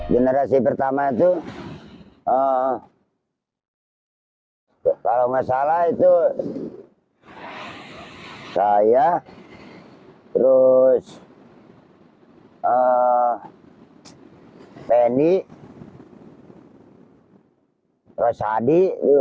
generasi pertama itu kalau tidak salah itu saya terus penny terus adi